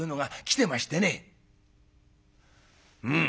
「うん」。